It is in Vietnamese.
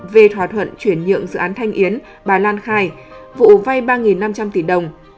về thỏa thuận chuyển nhượng dự án thanh yến bà lan khai vụ vay ba năm trăm linh tỷ đồng